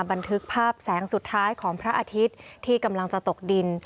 บันทึกภาพแสงสุดท้ายของพระอาทิตย์ที่กำลังจะตกดิน